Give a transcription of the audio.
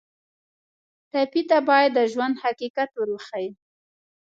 ټپي ته باید د ژوند حقیقت ور وښیو.